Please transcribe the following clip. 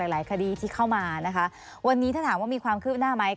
หลายคดีที่เข้ามานะคะวันนี้ถ้าถามว่ามีความคืบหน้าไหม